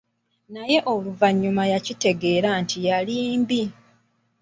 Naye oluvannyuma yakitegeera nti yali mubbi.